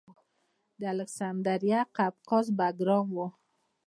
د الکسندریه قفقاز بګرام و